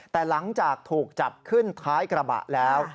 แต่หลังจากถูกจับขึ้นท้ายกระบะแล้ว